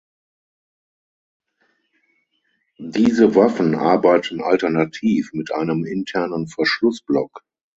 Diese Waffen arbeiten alternativ mit einem internen Verschlussblock.